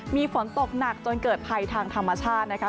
มีฝนตกหนักจนเกิดภัยทางธรรมชาตินะคะ